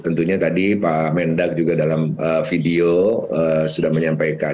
tentunya tadi pak mendak juga dalam video sudah menyampaikan